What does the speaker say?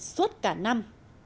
suốt cả năm